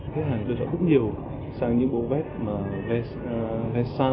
khách hàng lựa chọn rất nhiều sang những mẫu vest mà vest sam